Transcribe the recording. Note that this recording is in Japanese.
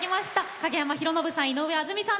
影山ヒロノブさん井上あずみさん